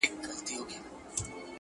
o لاس دي تور، مخ دي په تور.